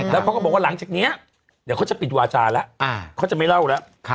แล้วเขาก็บอกว่าหลังจากนี้เดี๋ยวเขาจะปิดวาจาแล้วเขาจะไม่เล่าแล้ว